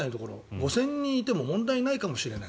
５０００人以上いても問題ないかもしれない。